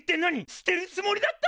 捨てるつもりだったの！？